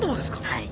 はい。